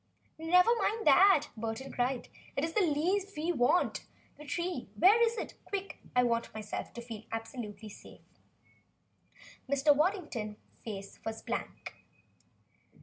"Never mind that!" Burton cried. "It is the leaves we want! The tree where is it? Quick! I want to feel myself absolutely safe." Mr. Waddington's face was blank.